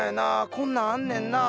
こんなんあんねんなぁ。